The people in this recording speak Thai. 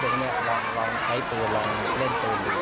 ลองไฮปูลองเล่นปืนแล้วกันลั่น